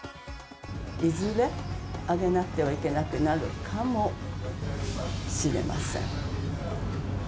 いずれ上げなくてはいけなくなるかもしれません。